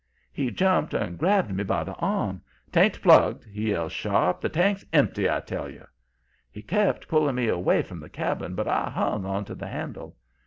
"He jumped and grabbed me by the arm. ''Tain't plugged,' he yells, sharp. 'The tank's empty, I tell you.' "He kept pulling me away from the cabin, but I hung onto the handle.